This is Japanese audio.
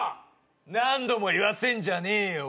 何度も言わせんじゃねえよ！